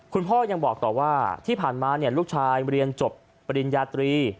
คุณพ่อยังบอกต่อว่าที่ผ่านมาลูกชายเรียนจบปริญญาตรี